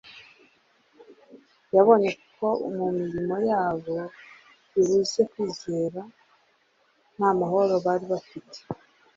Yabonye ko mu mirimo yabo ibuze kwizera nta mahoro bari bafite